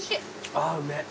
ああうめえ。